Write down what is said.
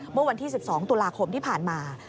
เมื่อวันที่๑๒ตุลาคมที่ผ่านมา